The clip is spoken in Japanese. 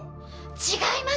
「違います！」